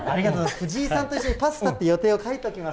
藤井さんと一緒にパスタって予定を書いておきます。